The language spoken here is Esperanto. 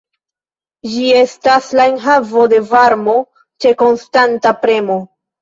Ĝi estas la enhavo de varmo ĉe konstanta premo.